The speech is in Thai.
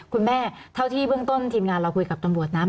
เท่าที่เบื้องต้นทีมงานเราคุยกับตำรวจนะ